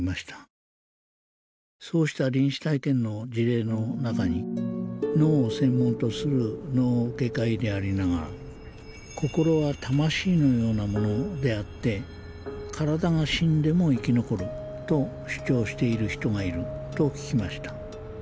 そうした臨死体験の事例の中に脳を専門とする脳外科医でありながら「心は魂のようなものであって体が死んでも生き残る」と主張している人がいると聞きました。